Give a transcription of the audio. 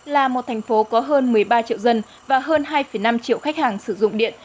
là một thành phố có hơn một mươi ba triệu dân và hơn hai năm triệu khách hàng sử dụng điện